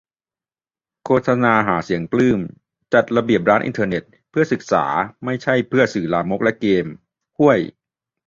โฆษณาหาเสียง-ปลื้ม :"จัดระเบียบ ร้านอินเทอร์เน็ต เพื่อการศึกษา ไม่ใช่เพื่อสื่อลามกและเกมส์" - ฮ่วย !